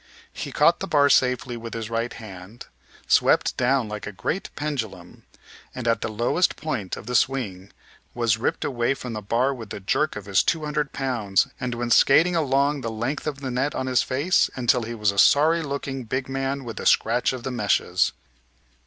He caught the bar safely with his right hand, swept down like a great pendulum, and at the lowest point of the swing was ripped away from the bar with the jerk of his two hundred pounds, and went skating along the length of the net on his face until he was a sorry looking big man with the scratch of the meshes.